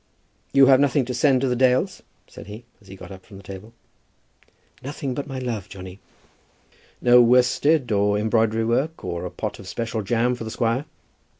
"You have nothing to send to the Dales?" he said, as he got up from the table. "Nothing but my love, Johnny." "No worsted or embroidery work, or a pot of special jam for the squire?"